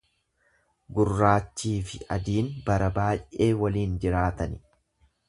Gurraachii fi adiin bara baay'ee waliin jiraatani.